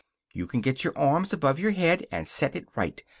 You can get your arms above your head, and set it right.